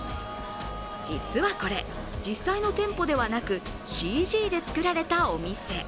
実はこれ、実際の店舗ではなくＣＧで作られたお店。